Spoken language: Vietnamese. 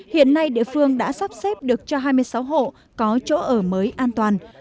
hiện nay địa phương đã sắp xếp được cho hai mươi sáu hộ có chỗ ở mới an toàn